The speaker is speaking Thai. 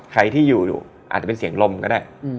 ใครที่อยู่อยู่อาจจะเป็นเสียงลมก็ได้